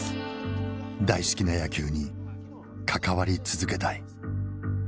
大好きな野球に関わり続けたい。